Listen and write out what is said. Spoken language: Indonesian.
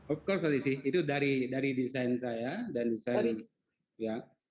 of course reza itu dari desain saya dan desain